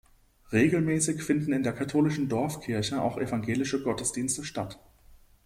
Regelmäßig finden in der katholischen Dorfkirche auch evangelische Gottesdienste statt.